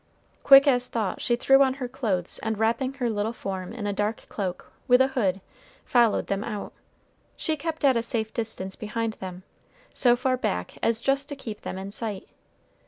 Quick as thought she threw on her clothes and wrapping her little form in a dark cloak, with a hood, followed them out. She kept at a safe distance behind them, so far back as just to keep them in sight.